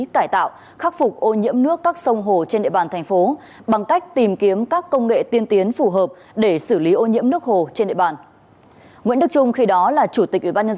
cải tạo khắc phục ô nhiễm nước các sông hồ trên địa bàn thành phố bằng cách tìm kiếm các công nghệ tiên tiến phù hợp để xử lý ô nhiễm nước hồ trên địa bàn